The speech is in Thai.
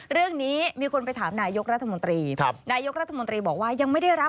เรื่องนี้มีคนไปถามนายกรัฐมนตรี